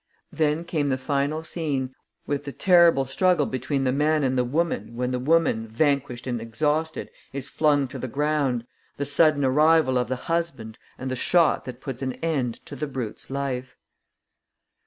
Then came the final scene, with the terrible struggle between the man and the woman when the woman, vanquished and exhausted, is flung to the ground, the sudden arrival of the husband and the shot that puts an end to the brute's life....